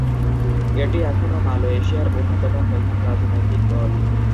এটি এখনো মালয়েশিয়ার অন্যতম প্রধান রাজনৈতিক দল।